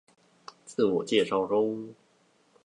自我介紹中